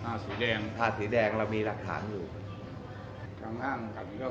ผ้าสีแดงผ้าสีแดงเรามีณาหาสารอยู่สารแข็งก็